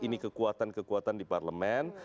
ini kekuatan kekuatan di parlemen